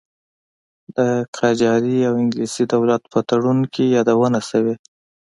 د قاجاري او انګلیسي دولت په تړون کې یادونه شوې.